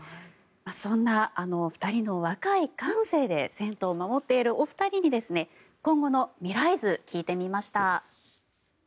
そんな２人の若い感性で銭湯を守っている２人に今後の未来図を聞いてみました。